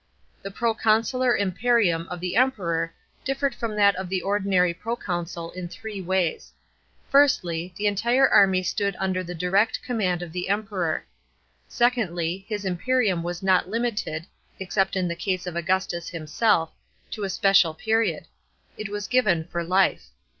The proconsular imperium of the Emperor differed from that of the ordinary proconsul in three ways. Firstly, the entire armj stood under the direct command of the Emperor. Secondly, his imperium was not limited (except in the case of Augustus himself) to a special period. It was given for life.